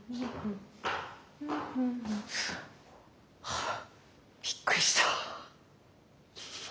あっびっくりした。